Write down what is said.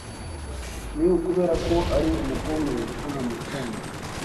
Ni ukubera ko ari umugome ko ntamukunda.